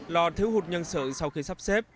lo thiếu hụt nhân sự sau khi sắp xếp